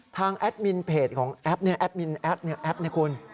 ทางแอดมินเพจของแอดมินแอดแอดมินแอดแอดเนี่ยคุณ